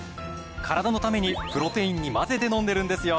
カラダのためにプロテインに混ぜて飲んでるんですよ。